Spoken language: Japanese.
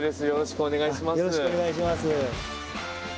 よろしくお願いします。